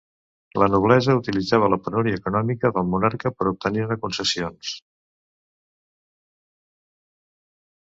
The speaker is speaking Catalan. La noblesa utilitzava la penúria econòmica del monarca per obtenir-ne concessions.